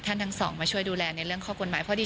ท่านทั้งสองมาช่วยดูแลในเรื่องข้อกฎหมายเพราะที่